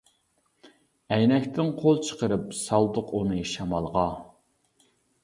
ئەينەكتىن قول چىقىرىپ، سالدۇق ئۇنى شامالغا.